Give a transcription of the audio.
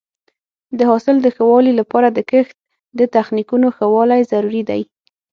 د حاصل د ښه والي لپاره د کښت د تخنیکونو ښه والی ضروري دی.